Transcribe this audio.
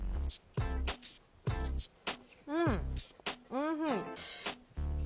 うん、おいしい。